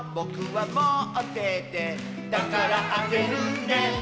「だからあげるね」